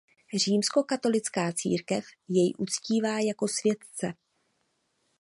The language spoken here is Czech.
Římskokatolická církev jej uctívá jako světce.